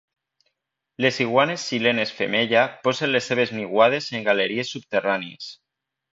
Les iguanes xilenes femella posen les seves niuades en galeries subterrànies.